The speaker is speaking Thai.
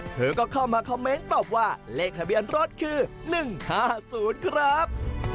เธอก็เข้ามาคอมเมนต์ตอบว่าเลขทะเบียนรถคือ๑๕๐ครับ